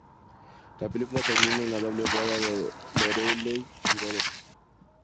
La película termina con la doble boda de Lorelei y Dorothy.